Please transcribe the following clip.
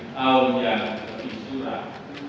tahun yang lebih surat